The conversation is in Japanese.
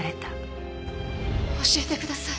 教えてください。